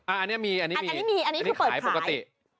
อันนี้มีอันนี้มีอันนี้คือเปิดขายปกติ